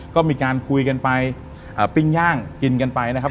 ก็มีการคุยกันไปปิ้งย่างกินกันไปนะครับ